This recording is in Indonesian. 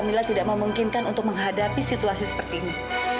mila tidak memungkinkan untuk menghadapi situasi seperti ini